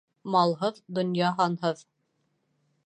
Малһыҙ донъя һанһыҙ.